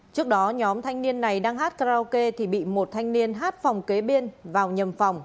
trước đó nhóm thanh niên này đang hát karaoke thì bị một thanh niên hát phòng kế bên vào nhầm phòng